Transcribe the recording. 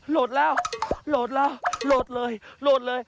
โหลดแล้วโหลดแล้วโหลดเลยโหลดเลย